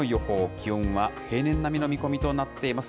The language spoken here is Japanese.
気温は平年並みの見込みとなっています。